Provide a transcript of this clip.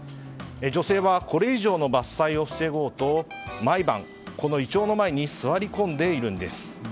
女性はこれ以上の伐採を防ごうと毎晩、このイチョウの前に座り込んでいるんです。